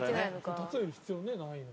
例える必要ねないのに。